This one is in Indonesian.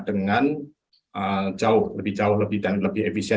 dengan jauh lebih jauh lebih dan lebih efisien